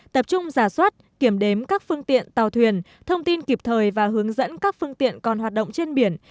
tập trung giả soát kiểm đếm các phương tiện tàu thuyền thông tin kịp thời và hướng dẫn các phương tiện còn hoạt động trên biển